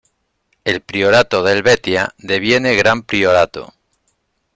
El Priorato de Helvetia deviene Gran Priorato.